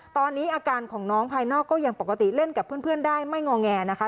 ตอนนี้อาการของน้องภายนอกก็ยังปกติเล่นกับเพื่อนได้ไม่งอแงนะคะ